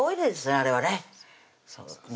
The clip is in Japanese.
あれはね